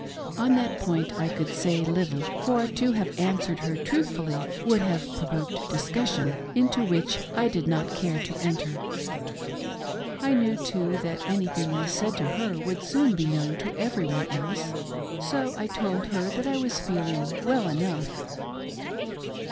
On that point I could say little, for to have answered her truthfully would have provoked discussion, into which I did not care to enter. I knew, too, that anything I said to her would soon be known to everyone else. So I told her that I was feeling well enough.